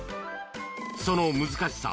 その難しさ